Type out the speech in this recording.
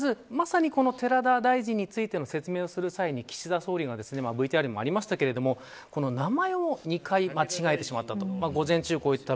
にもかかわらず、寺田大臣についての説明をする際に岸田総理がＶＴＲにもありましたけど名前を２回、間違えてしまった。